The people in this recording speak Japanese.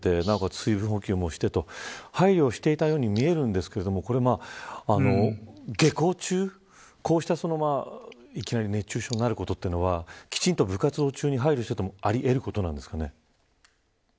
水分補給もして配慮していたように見えるんですが下校中、こうしたいきなり熱中症になることというのはきちんと部活動中に配慮していてもあり得ることなんですか。